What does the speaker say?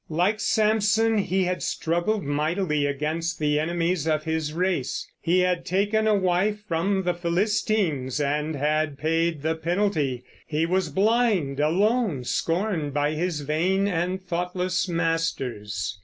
Like Samson he had struggled mightily against the enemies of his race; he had taken a wife from the Philistines and had paid the penalty; he was blind, alone, scorned by his vain and thoughtless masters.